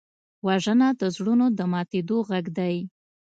وژنه د زړونو د ماتېدو غږ دی